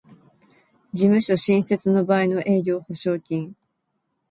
事務所新設の場合の営業保証金